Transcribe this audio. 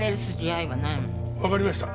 わかりました。